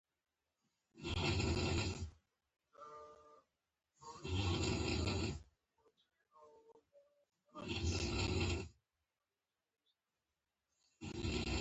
دا ملګري د انسان ګاونډیان وي.